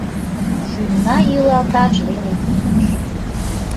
Шӱмна йӱлалташ веле йӧрыш.